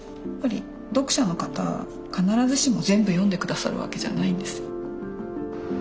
読者の方必ずしも全部読んでくださるわけじゃないんです。